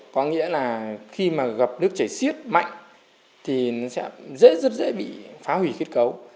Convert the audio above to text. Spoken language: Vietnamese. có nghĩa là khi mà gặp nước chảy xiết mạnh thì nó sẽ rất dễ bị phá hủy kết cấu